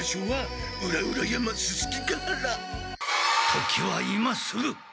時は今すぐ！